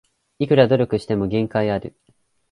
いくら努力しても限界ある